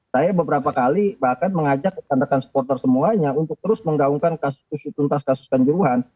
saya beberapa kali bahkan mengajak rekan rekan supporter semuanya untuk terus menggaungkan kasus usutuntas kasus kanjuruhan